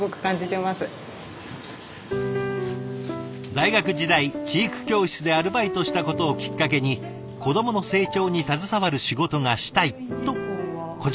大学時代知育教室でアルバイトしたことをきっかけに「子どもの成長に携わる仕事がしたい！」とこちらへ入社した岡さん。